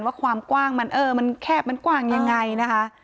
ว่าความกว้างมันเออมันแคบมันกว้างยังไงนะคะ